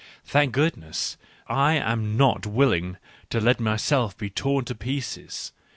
Thank goodness I am not willing to let myself be torn to pieces